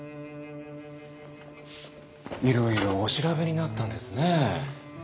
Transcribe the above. いろいろお調べになったんですね？